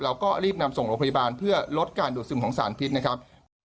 เราก็รีบนำส่งโรงพยาบาลเพื่อลดการดูดซึมของสารพิษนะครับ